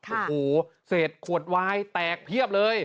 โอ้โหเสร็จขวดไว้แตกเพียบเลย